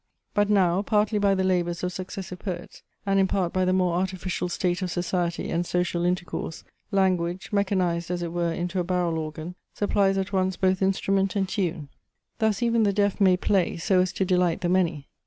But now, partly by the labours of successive poets, and in part by the more artificial state of society and social intercourse, language, mechanized as it were into a barrel organ, supplies at once both instrument and tune. Thus even the deaf may play, so as to delight the many.